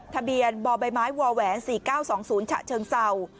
ทะเบียนบใบไม้วแหวน๔๙๒๐ฉะเชิงเศร้า